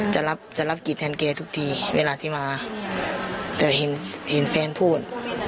จะรับกิจแทนเกรียร์ทุกทีเวลาที่มาแต่เห็นแฟนพูด